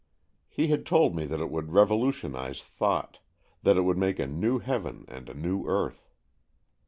He had told me that it would revolu tionize thought — that it would make a new heaven and a new earth.